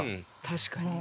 確かに。